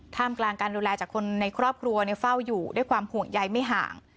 มกลางการดูแลจากคนในครอบครัวเฝ้าอยู่ด้วยความห่วงใยไม่ห่าง